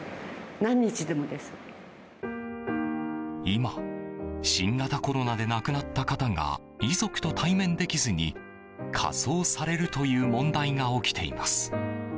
今、新型コロナで亡くなった方が遺族と対面できずに火葬されるという問題が起きています。